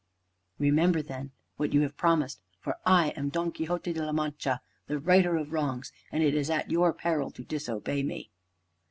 "Remember, then, what you have promised, for I am Don Quixote de la Mancha, the righter of wrongs, and it is at your peril to disobey me."